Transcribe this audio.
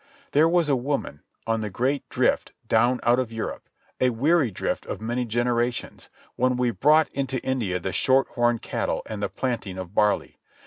There was a woman—on the great drift down out of Europe, a weary drift of many generations, when we brought into India the shorthorn cattle and the planting of barley.